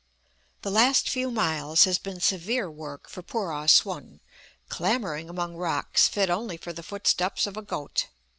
The last few miles has been severe work for poor Ah Sum, clambering among rocks fit only for the footsteps of a goat.